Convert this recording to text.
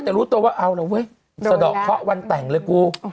แต่รู้ตัวว่าเอาแล้วเว้ยสะดอกเคาะวันแต่งเลยกู